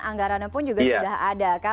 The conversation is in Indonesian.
anggarannya pun juga sudah ada kan